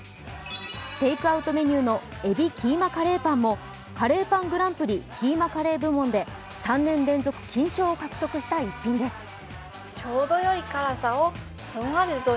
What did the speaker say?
テークアウトメニューの海老キーマカレーパンもカレーパングランプリキーマカレー部門で３年連続金賞を獲得した逸品です。